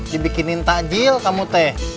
dibikinin takjil kamu teh